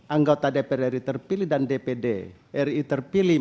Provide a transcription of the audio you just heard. anggota dprd terpilih dan dpd ri terpilih